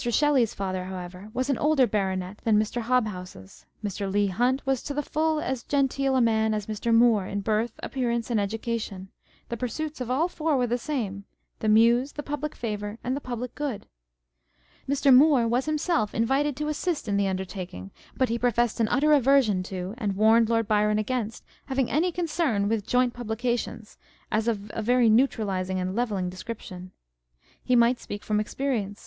Shelley's father, however, was an older Baronet than Mr. Hob house's â€" Mr. Leigh Hunt was " to the full as genteel a " as Mr. Moore in birth, appearance, and education the pursuits of all four were the same, the Muse, the public favour, and the public good ! Mr. Moore was himself invited to assist in the undertaking, but he pro fessed an utter aversion to, and warned Lord Byron against having any concern with, joint publications, as of a very neutralizing and levelling description. He might speak from experience.